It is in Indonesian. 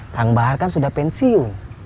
kang bahar kan sudah pensiun